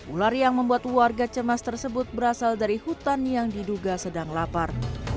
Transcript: ular yang membuat warga cemas tersebut berasal dari hutan yang diduga sedang lapar